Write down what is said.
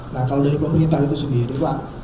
nah kalau dari pemerintah itu sendiri pak